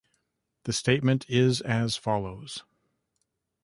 The statement is as follows.